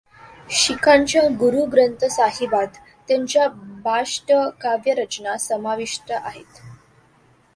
शिखांच्या गुरू ग्रंथसाहिबात त्यांच्या बासष्ट काव्यरचना समाविष्ट आहेत.